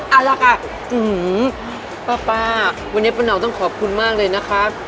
เอาละค่ะอือหือป้าป้าวันนี้ป้าหนาวต้องขอบคุณมากเลยนะคะ